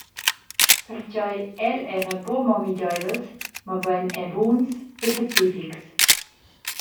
Pertgei el era buca mo migeivels, mobein era buns e pacifics.